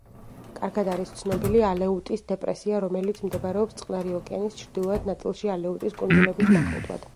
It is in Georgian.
კარგად არის ცნობილი ალეუტის დეპრესია, რომელიც მდებარეობს წყნარი ოკეანის ჩრდილოეთ ნაწილში ალეუტის კუნძულების მახლობლად.